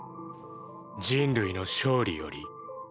人類の勝利より？